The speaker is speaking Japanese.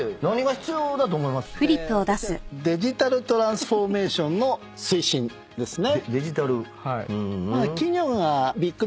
私はデジタルトランスフォーメーションの推進ですね。